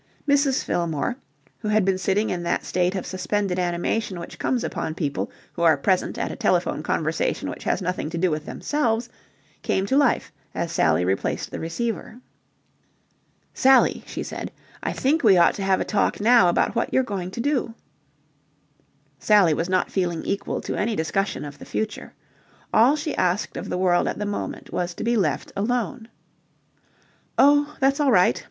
Mrs. Fillmore, who had been sitting in that state of suspended animation which comes upon people who are present at a telephone conversation which has nothing to do with themselves, came to life as Sally replaced the receiver. "Sally," she said, "I think we ought to have a talk now about what you're going to do." Sally was not feeling equal to any discussion of the future. All she asked of the world at the moment was to be left alone. "Oh, that's all right.